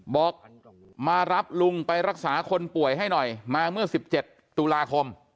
บอกมารับลุงไปรักษาคนป่วยให้หน่อยมาเมื่อ๑๗ตุลาคม